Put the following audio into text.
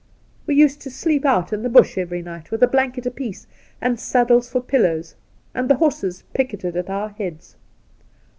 We used to sleep out in the Bush every night, with a blanket apiece and saddles for pillows, and the horses picketed at our heads.